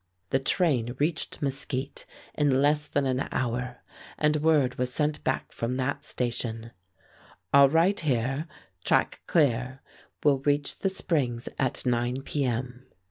The train reached Mesquite in less than an hour, and word was sent back from that station, "All right here; track clear; will reach the springs at 9 P. M."